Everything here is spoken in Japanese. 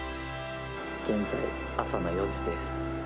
現在、朝の４時です。